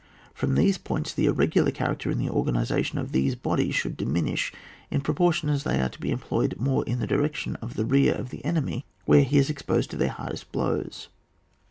From these points, the irregular character in the organisation of these bodies should diminish in pro portion as they are to be employed more in the direction of the rear of the enemy, where he is exposed to their hardest blows.